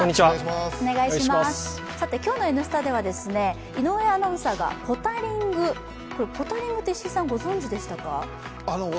今日の「Ｎスタ」では井上アナウンサーがポタリングって、石井さん、ご存じでしたか？